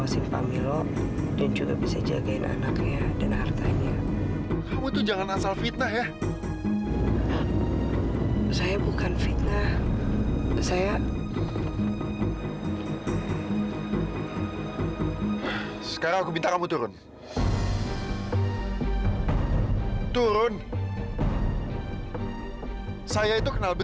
sampai jumpa di video selanjutnya